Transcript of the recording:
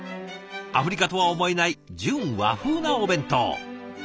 アフリカとは思えない純和風なお弁当。